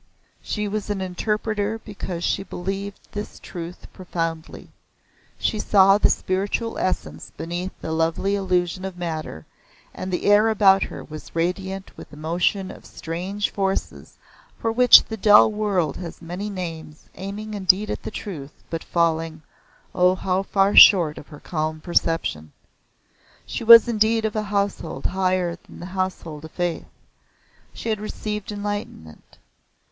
She was an interpreter because she believed this truth profoundly. She saw the spiritual essence beneath the lovely illusion of matter, and the air about her was radiant with the motion of strange forces for which the dull world has many names aiming indeed at the truth, but falling O how far short of her calm perception! She was indeed of a Household higher than the Household of Faith. She had received enlightenment.